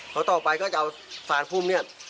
ต่อไปลองที่บุรุษกับสารพุ่มนี้